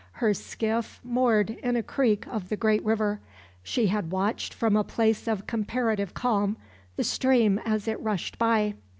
Her skiff moored in a creek of the great river, she had watched from a place of comparative calm the stream as it rushed by.